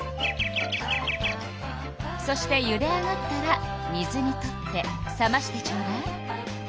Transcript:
そしてゆで上がったら水にとって冷ましてちょうだい。